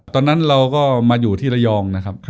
ตอนนั้นเราก็มาอยู่ที่ระยองนะครับ